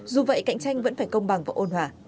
dù vậy cạnh tranh vẫn phải công bằng và ôn hòa